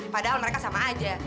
padahal mereka sama aja